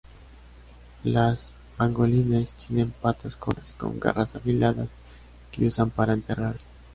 Los pangolines tienen patas cortas, con garras afiladas que usan para enterrarse.